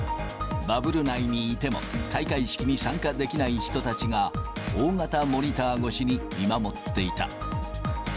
バブル内にいても、開会式に参加できない人たちが、大型モニター越しに見守っていた。